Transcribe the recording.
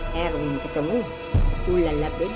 hmm erwin ketemu ulala beda